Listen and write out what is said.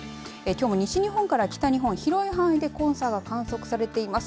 きょうも西日本から北日本広い範囲で黄砂が観測されています。